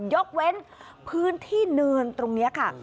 ยกเว้นพื้นที่เนินตรงนี้ค่ะ